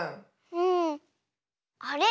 うん。あれ？